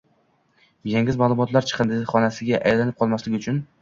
Miyangiz ma’lumotlar chiqindixonasiga aylanib qolmasligi uchun